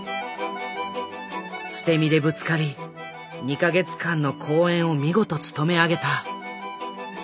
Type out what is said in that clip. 捨て身でぶつかり２か月間の公演を見事務め上げた。